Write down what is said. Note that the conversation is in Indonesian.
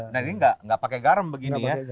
nah ini enggak enggak pakai garam begini ya